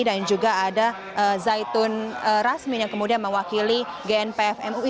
dan juga ada zaitun rasmi yang kemudian mewakili gnpf mui